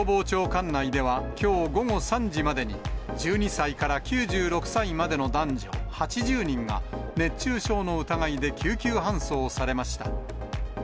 管内では、きょう午後３時までに、１２歳から９６歳までの男女８０人が、熱中症の疑いで救急搬送されました。